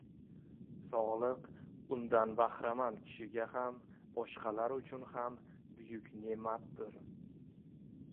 Soglik undan bahramand kishiga ham boshqalar uchun ham buyuk ne’matdir.